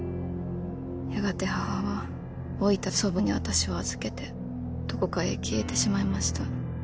やがて母は老いた祖母に私を預けてどこかへ消えてしまいました。